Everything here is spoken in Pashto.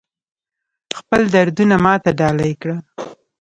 خپل دردونه ماته ډالۍ کړه